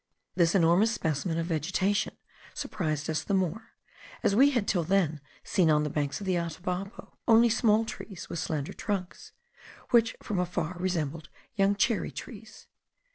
This enormous specimen of vegetation surprised us the more, as we had till then seen on the banks of the Atabapo only small trees with slender trunks, which from afar resembled young cherry trees.